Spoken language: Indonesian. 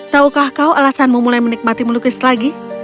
taukah kau alasanmu mulai menikmati melukis lagi